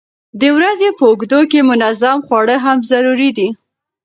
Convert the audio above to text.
د ورځې په اوږدو کې منظم خواړه هم ضروري دي.